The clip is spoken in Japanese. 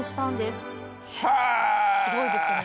すごいですよね。